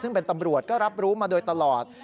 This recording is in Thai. ซึ่งเป็นตำรวจก็รับรู้มาโดยตลอด